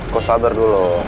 kau sabar duo